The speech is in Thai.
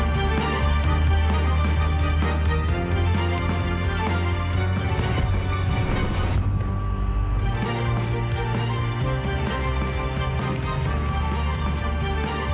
โปรดติดตามตอนต่อไป